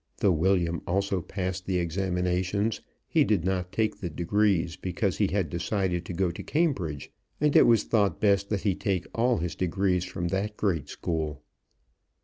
Though William also passed the examinations, he did not take the degrees, because he had decided to go to Cambridge, and it was thought best that he take all his degrees from that great school.